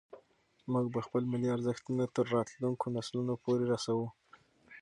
موږ به خپل ملي ارزښتونه تر راتلونکو نسلونو پورې رسوو.